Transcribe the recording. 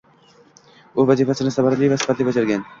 U vazifasini samarali va sifatli bajargan